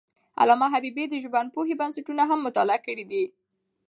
علامه حبیبي د ژبپوهنې بنسټونه هم مطالعه کړي دي.